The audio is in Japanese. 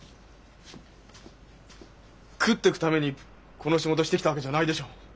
食ってくためにこの仕事してきたわけじゃないでしょう。